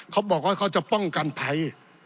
เขาบอกว่าเขาจะป้องกันภัย